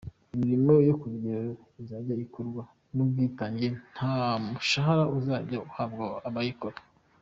Imirimo yo ku rugerero izajya ikorwa, ni ubwitange nta mushahara uzajya uhabwa abayikora.